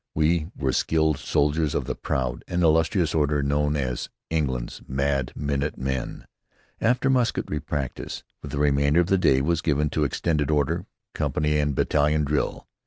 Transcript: We were skilled soldiers of the proud and illustrious order known as "England's Mad Minute Men." After musketry practice, the remainder of the day was given to extended order, company, and battalion drill.